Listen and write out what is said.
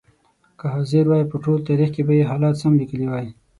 که حاضر وای په خپل تاریخ کې به یې حالات سم لیکلي وای.